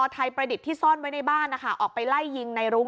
ประดิษฐ์ที่ซ่อนไว้ในบ้านนะคะออกไปไล่ยิงในรุ้ง